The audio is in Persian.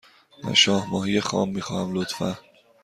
من شاه ماهی خام می خواهم، لطفا.